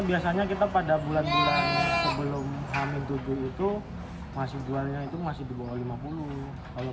biasanya kita pada bulan bulan sebelum hamil tujuh itu masih jualnya itu masih di bawah lima puluh kalau